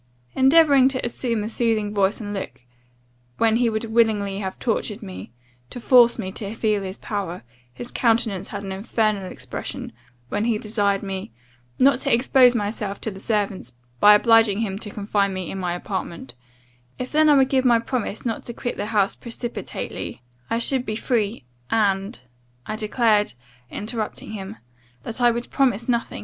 "Endeavouring to assume a soothing voice and look, when he would willingly have tortured me, to force me to feel his power, his countenance had an infernal expression, when he desired me, 'Not to expose myself to the servants, by obliging him to confine me in my apartment; if then I would give my promise not to quit the house precipitately, I should be free and .' I declared, interrupting him, 'that I would promise nothing.